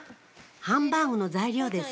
ハンバーグの材料です